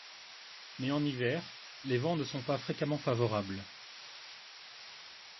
Mais en hiver, les vents ne sont pas fréquemment favorables.